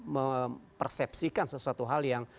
mempersepsikan sesuatu hal yang